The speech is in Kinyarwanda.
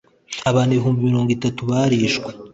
abantu ibihumbi mirongo itatu barishwe